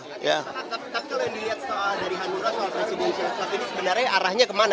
tapi kalau dilihat dari hanura soal presidensial club